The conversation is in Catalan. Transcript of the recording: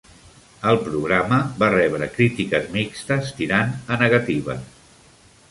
El programa va rebre crítiques mixtes, tirant a negatives.